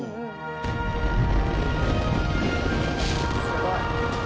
すごい。